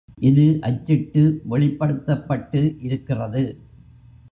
இது அச்சிட்டு வெளிப்படுத்தப்பட்டு இருக்கிறது.